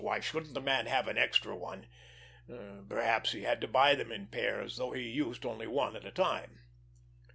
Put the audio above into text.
Why shouldn't the man have an extra one? Perhaps he had to buy them in pairs, though he used only one at a time.